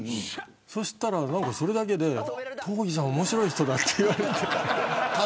そしたら、それだけで東儀さんは面白い人だと言われて。